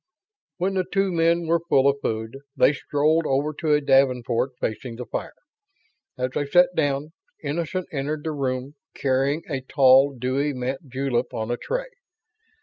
When the two men were full of food, they strolled over to a davenport facing the fire. As they sat down, Innocent entered the room, carrying a tall, dewy mint julep on a tray.